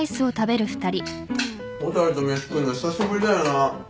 蛍と飯食うの久しぶりだよな。